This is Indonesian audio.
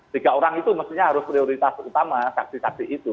tiga orang itu mestinya harus prioritas utama saksi saksi itu